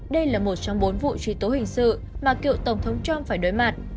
đây là một trong bốn vụ truy tố hình sự mà cựu tổng thống trump phải đối mặt